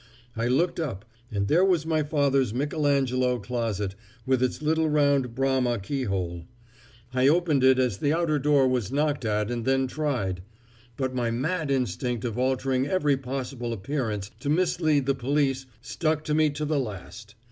I looked up, and there was my father's Michelangelo closet, with its little round bramah keyhole. I opened it as the outer door was knocked at and then tried. But my mad instinct of altering every possible appearance, to mislead the police, stuck to me to the last.